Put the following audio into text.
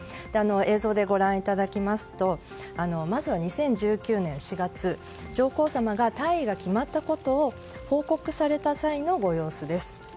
映像でご覧いただきますとまず２０１９年４月上皇さまが退位が決まったことを報告された際のご様子です。